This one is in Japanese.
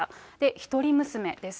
一人娘です。